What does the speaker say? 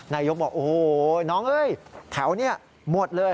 นายกบอกโอ้โหน้องเอ้ยแถวนี้หมดเลย